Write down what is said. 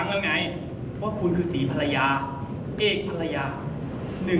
ฉันจะด่าคุณ